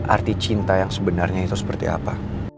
arti cinta yang sebenarnya itu seperti apa